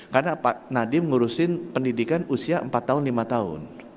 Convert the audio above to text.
karena pak nadiem ngurusin pendidikan usia empat tahun lima tahun